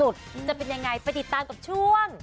จะเป็นยังไงไปติดตามกับช่วง